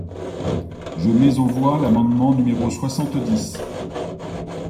Je mets aux voix l’amendement numéro soixante-dix.